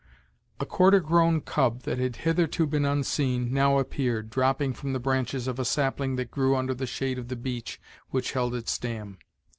A quarter grown cub, that had hitherto been unseen, now appeared, dropping from the branches of a sapling that grew under the shade of the beech which held its dam.